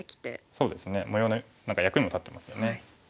そうですね模様の役にも立ってますよね。